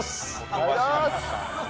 ありがとうございます。